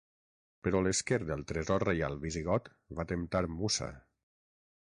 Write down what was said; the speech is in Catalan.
Però l'esquer del tresor reial visigot va temptar Mussa.